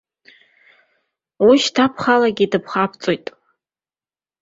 Уи уашьҭа бхалагьы дыԥхабҵоит.